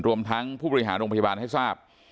รวมทั้งผู้บริหารโรงพยาบาลให้ทราบ